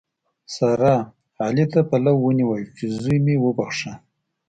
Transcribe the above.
سارا؛ علي ته پلو ونیو چې زوی مې وبښه.